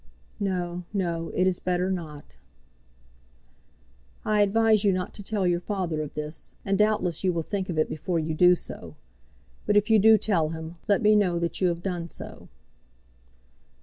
"No, no; it is better not." "I advise you not to tell your father of this, and doubtless you will think of it before you do so. But if you do tell him, let me know that you have done so."